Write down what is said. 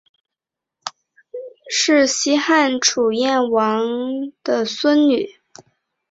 臧儿是西汉初燕王臧荼的孙女。